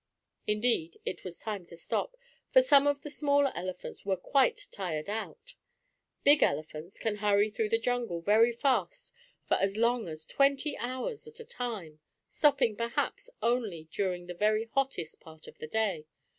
Indeed it was time to stop, for some of the smaller elephants were quite tired out. Big elephants can hurry through the jungle very fast for as long as twenty hours at a time, stopping, perhaps, only during the very hottest part of the day.